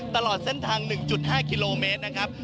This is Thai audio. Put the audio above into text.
ตลอดเส้นทาง๑๕กิโลเมตรนะครับ